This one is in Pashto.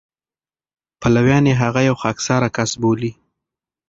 پلویان یې هغه یو خاکساره کس بولي.